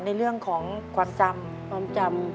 ในเรื่องขำความจำ